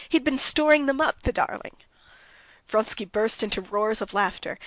He'd been storing them up, the darling!" Vronsky burst into roars of laughter.